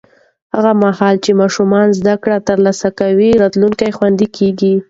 هغه مهال چې ماشومان زده کړه ترلاسه کړي، راتلونکی خوندي کېږي.